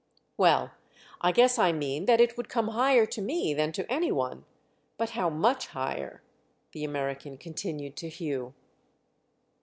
"Well, I guess I mean that it would come higher to me than to any one! But how much higher?" the American continued to Hugh.